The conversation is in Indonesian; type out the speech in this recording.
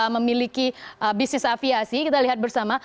memiliki bisnis aviasi kita lihat bersama